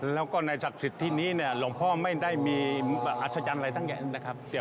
แล้วก็ในศักดิ์สิทธิ์ที่นี่หลวงพ่อไม่ได้มีอัศจรรย์อะไรตั้งแยะ